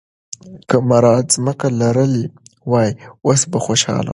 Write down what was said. که مراد ځمکه لرلی وای، اوس به خوشاله و.